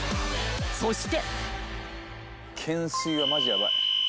［そして］